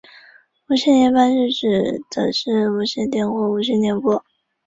他在对阵连菲特的欧洲联盟杯资格赛中打进二球。